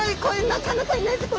なかなかいないんですよ